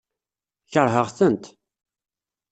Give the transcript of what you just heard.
Keṛheɣ-tent.